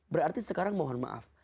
berarti sekarang mohon maaf